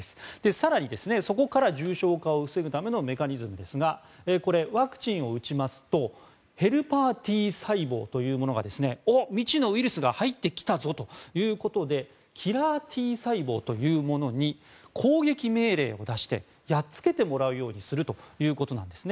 更に、そこから重症化を防ぐためのメカニズムですがワクチンを打ちますとヘルパーＴ細胞というものが未知のウイルスが入ってきたぞということでキラーＴ細胞というものに攻撃命令を出してやっつけてもらうようにするということなんですね。